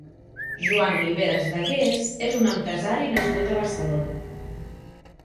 Joan Oliveras Bagués és un empresari nascut a Barcelona.